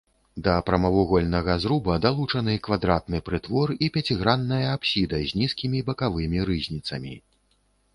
Да прамавугольнага зруба далучаны квадратны прытвор і пяцігранная апсіда з нізкімі бакавымі рызніцамі.